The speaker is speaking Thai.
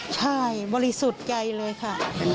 ใช่บริสุทธิ์ใจเลยค่ะ